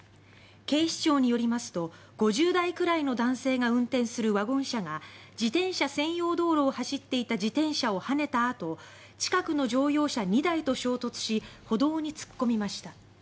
警視庁によりますと５０代くらいの男性が運転するワゴン車が自転車専用道路を走っていた自転車をはねたあと近くの乗用車２台と衝突し歩道に突っ込みました。